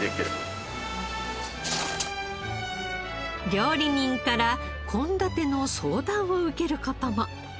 料理人から献立の相談を受ける事も。